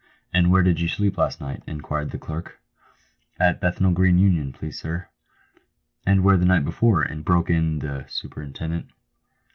" And where did you sleep last night ?" inquired the clerk. "At Bethnal green Union, please, sir." " And where the night before ?" broke in the superintendent.